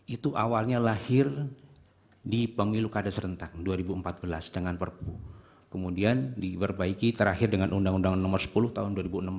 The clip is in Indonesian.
itu awalnya lahir di pemilu kada serentak dua ribu empat belas dengan perpu kemudian diperbaiki terakhir dengan undang undang nomor sepuluh tahun dua ribu enam belas